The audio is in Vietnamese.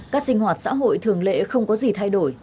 các sinh hoạt xã hội thường lệ không có gì thay đổi